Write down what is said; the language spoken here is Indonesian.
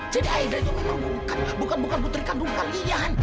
jadi aida itu memang bukan bukan bukan putri kandung kalian